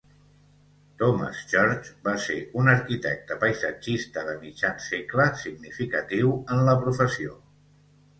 Thomas Church va ser un arquitecte paisatgista de mitjan segle significatiu en la professió.